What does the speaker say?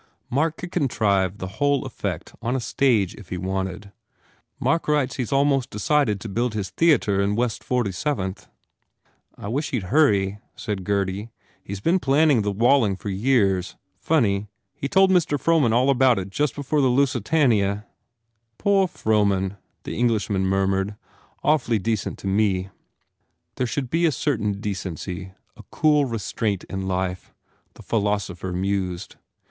Mark could contrive the whole effect on a stage if he wanted. "Mark writes that he s almost decided to build his theatre in West Forty Seventh." "I wish he d hurry," said Gurdy, "He s been planning the Walling for years. Funny. He told Mr. Frohman all about it just before the Lusitania" "Poor Frohman," the Englishman murmured, "Awfully decent to me." There should be a certain decency, a cool 113 THE FAIR REWARDS restraint in life, the philosopher mused.